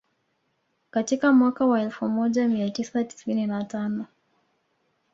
katika mwaka wa elfu moja mia tisa tisini na tano